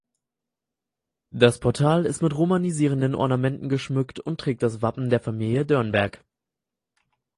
Das Portal ist mit romanisierenden Ornamenten geschmückt und trägt das Wappen der Familie Dörnberg.